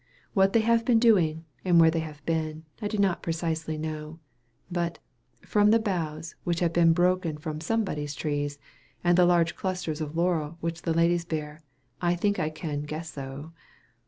What they have been doing, and where they have been, I do not precisely know; but, from the boughs which have been broken from somebody's trees, and the large clusters of laurel which the ladies bear, I think I can "guess o."